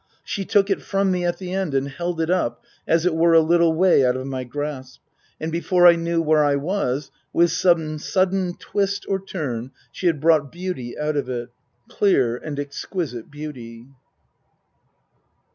She took it from me, at the end, and held it up, as it were a little way out of my grasp ; and before I knew where I was, with some sudden twist or turn she had brought beauty out of it. Clear and exquisite beauty.